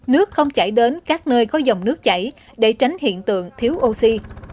nước không chảy đến các nơi có dòng nước chảy để tránh hiện tượng thiếu oxy